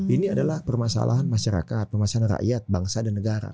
ini adalah permasalahan masyarakat permasalahan rakyat bangsa dan negara